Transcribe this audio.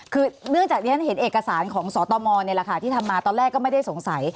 คือเนื่องจากที่ฉันเห็นเอกสารของสตมนี่แหละค่ะที่ทำมาตอนแรกก็ไม่ได้สงสัย